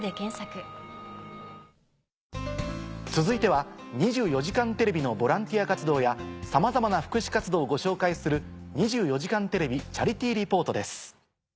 続いては『２４時間テレビ』のボランティア活動やさまざまな福祉活動をご紹介する。